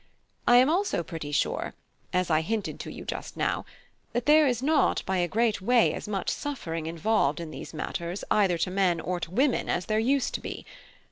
I am also pretty sure, as I hinted to you just now, that there is not by a great way as much suffering involved in these matters either to men or to women as there used to be.